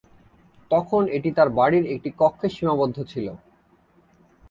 তখন এটি তার বাড়ির একটি কক্ষে সীমাবদ্ধ ছিল।